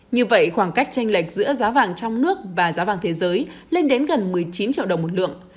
như vậy khoảng cách tranh lệch giữa giá vàng trong nước và giá vàng thế giới lên đến gần một mươi chín triệu đồng một lượng